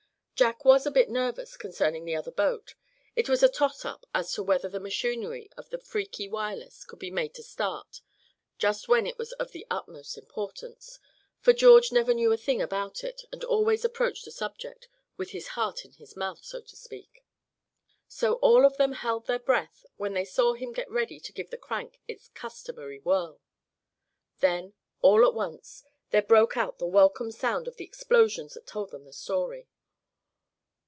Jack was a bit nervous concerning the other boat. It was a toss up as to whether the machinery of the "freaky" Wireless could be made to start, just when it was of the utmost importance, for George never knew a thing about it, and always approached the subject with his heart in his mouth, so to speak. So all of them held their breath when they saw him get ready to give the crank its customary whirl. Then all at once there broke out the welcome sound of the explosions that told them the story.